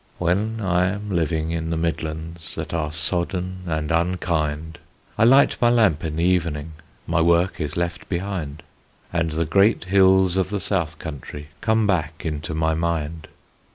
When I am living in the Midlands, That are sodden and unkind, I light my lamp in the evening: My work is left behind; And the great hills of the South Country Come back into my mind.